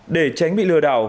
để tránh bị lừa đảo